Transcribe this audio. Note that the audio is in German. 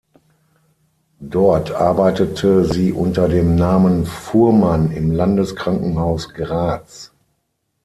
Dort arbeitete sie unter dem Namen Fuhrmann im Landeskrankenhaus Graz.